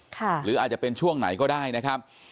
หรืออาจจะเป็นช่วงไหนก็ได้นะครับ